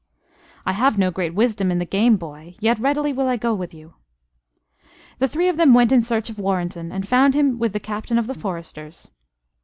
"I have no great wisdom in the game, boy; yet readily will I go with you." The three of them went in search of Warrenton; and found him with the captain of the foresters.